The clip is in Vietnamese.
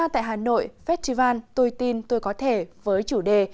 tại hà nội festival tôi tin tôi có thể với chủ đề